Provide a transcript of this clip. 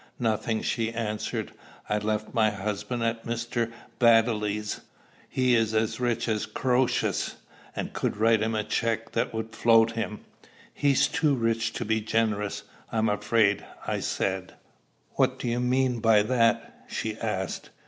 "Nothing," she answered. "I left my husband at Mr. Baddeley's. He is as rich as Croesus, and could write him a check that would float him." "He's too rich to be generous, I'm afraid," I said. "What do you mean by that?" she asked.